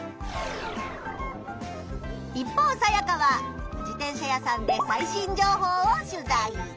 一方サヤカは自転車屋さんで最新情報を取材。